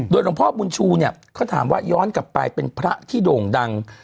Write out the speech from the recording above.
หลวงพ่อบุญชูเนี่ยเขาถามว่าย้อนกลับไปเป็นพระที่โด่งดัง